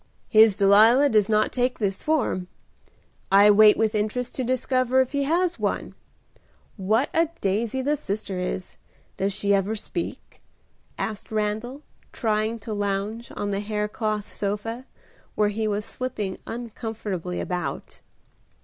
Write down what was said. "His Delilah does not take this form. I wait with interest to discover if he has one. What a daisy the sister is. Does she ever speak?" asked Randal, trying to lounge on the haircloth sofa, where he was slipping uncomfortably about.